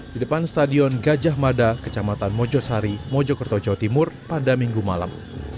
di depan stadion gajah mada kecamatan mojosari mojokerto jawa timur pada minggu malam